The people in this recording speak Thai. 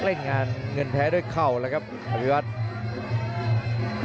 ไปเริ่มอ่านเงินแท้ด้วยเข้าเลยครับอภิวัฒน์